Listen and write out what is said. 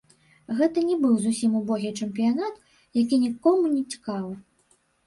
Гэта не быў зусім убогі чэмпіянат, які нікому не цікавы.